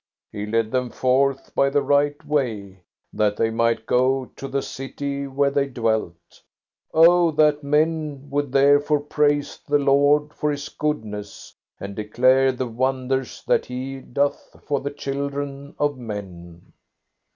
He led them forth by the right way, that they might go to the city where they dwelt. Oh that men would therefore praise the Lord for His goodness, and declare the wonders that He doeth for the children of men.